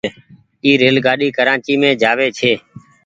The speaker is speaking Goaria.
اي ريل گآڏي ڪرآچي مين جآوي ڇي۔